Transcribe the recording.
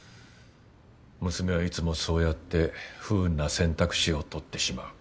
娘はいつもそうやって不運な選択肢をとってしまう。